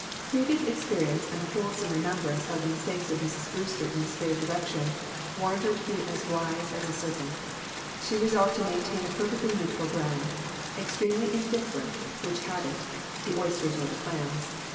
Previous experience and a wholesome remem brance of the mistakes of Mrs. Brewster in this very direction, warned her to be as wise as a ser pent. She resolved to maintain a perfectly neu tral ground ; extremely indifferent which had it, the oysters or the clams.